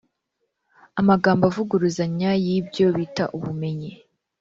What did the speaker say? Amagambo avuguruzanya y ibyo bita ubumenyi